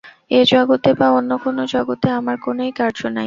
এ জগতে বা অন্য কোন জগতে আমার কোনই কার্য নাই।